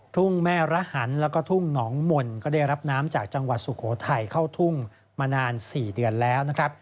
ทุ่งแม่ระหันแล้วก็ทุ่งหนองมนต์ก็ได้รับน้ำจากจังหวัดสุโขทัยเข้าทุ่งมานาน๔เดือนแล้วนะครับ